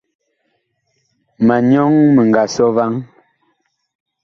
Ma nyɔŋ mi nga sɔ vaŋ.